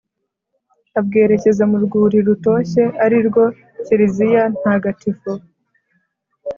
abwerekeza mu rwuri rutoshye arirwo kiliziya ntagatifu.